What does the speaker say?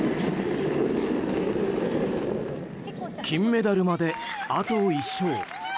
金メダルまであと１勝。